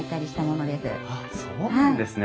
あっそうなんですね。